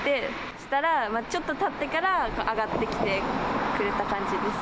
したら、ちょっとたってから、上がってきてくれた感じです。